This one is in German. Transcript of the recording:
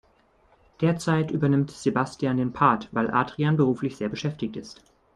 Derzeit übernimmt Sebastian den Part, weil Adrian beruflich sehr beschäftigt ist.